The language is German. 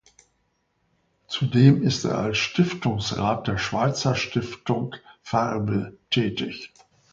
Zudem ist er als Stiftungsrat der Schweizer Stiftung Farbe tätig.